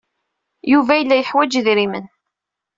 Yuba yella yeḥwaj idrimen.